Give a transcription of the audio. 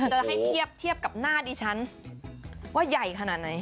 จะให้เทียบกับหน้าดิฉันว่าใหญ่ขนาดไหน